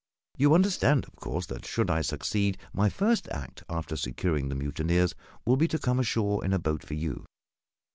You understand, of course, that should I succeed, my first act, after securing the mutineers, will be to come ashore in a boat for you."